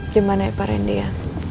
gimana ipah randy ya